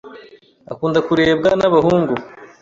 Akunda kurebwa nabahungu